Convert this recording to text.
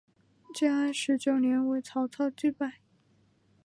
建安十九年为曹操击败。